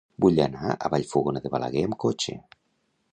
Vull anar a Vallfogona de Balaguer amb cotxe.